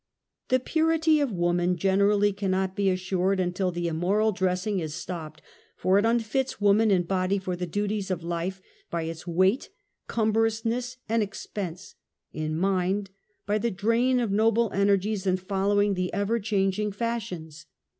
The purity of woman generally cannot be assured until the immoral dressing is stopped, for it unfits woman in body for the duties of life by its weight, cumberousness and expense, in mind by the drain of noble energies in following the ever changing fash ions.